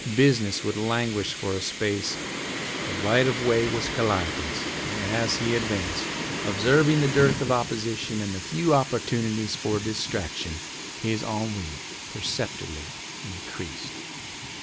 Business would languish for a space. The right of way was Calliope's, and as he advanced, observing the dearth of opposition and the few opportunities for distraction, his ennui perceptibly increased.